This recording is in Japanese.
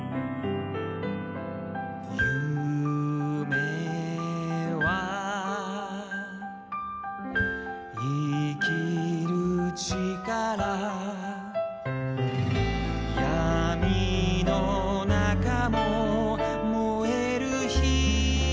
「夢は生きるちから」「やみのなかももえる灯よ」